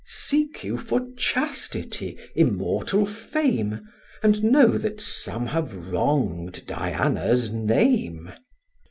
Seek you, for chastity, immortal fame, And know that some have wrong'd Diana's name?